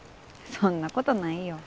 そんなことないよ